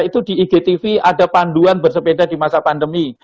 itu di igtv ada panduan bersepeda di masa pandemi